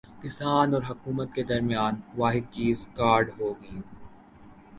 کسان اور حکومت کے درمیان واحد چیز کارڈ ہوگی